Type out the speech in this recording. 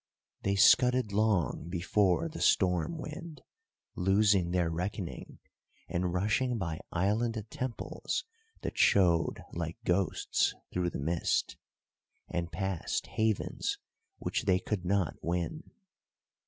They scudded long before the storm wind, losing their reckoning, and rushing by island temples that showed like ghosts through the mist, and past havens which they could not win.